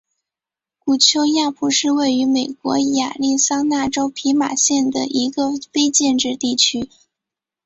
古丘亚普是位于美国亚利桑那州皮马县的一个非建制地区。